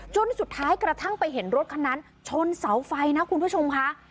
สุดท้ายกระทั่งไปเห็นรถคันนั้นชนเสาไฟนะคุณผู้ชมค่ะ